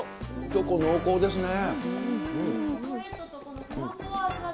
チョコ濃厚ですね。